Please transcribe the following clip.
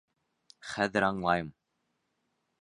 Хәҙер аңлайым.